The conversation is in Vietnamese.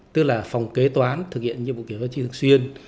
tức là phòng kế toán thực hiện nhiệm vụ kiểm toán chi thường xuyên